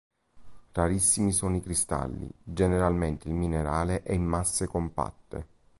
Rarissimi sono i cristalli, generalmente il minerale è in masse compatte.